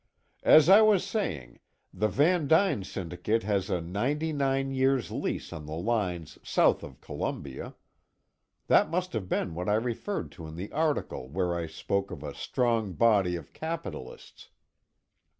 "As I was saying, the Van Duyn syndicate has a ninety nine years lease on the lines south of Columbia. That must have been what I referred to in the article where I spoke of a 'strong body of capitalists.'